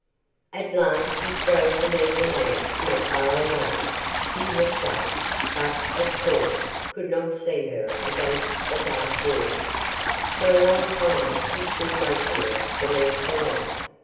At last he strode beneath a lamp not far away. He looked up, but, of course, could not see her against the dark wall. For a long time he stood motionless beneath the light.